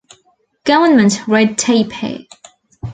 Government red tape here.